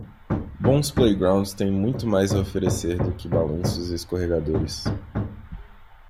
Bons playgrounds têm muito mais a oferecer do que balanços e escorregadores.